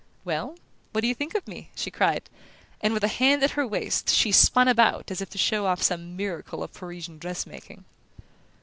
"Well, what do you think of me?" she cried; and with a hand at her waist she spun about as if to show off some miracle of Parisian dress making.